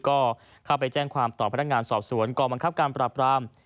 ก็เข้าไปแจ้งความต่อพนักงานสอบสวนกองบังคับการปราบราม